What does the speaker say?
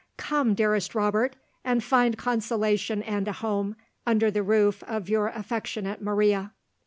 "Come, dearest Robert, and find consolation and a home, under the roof of your affectionate Maria."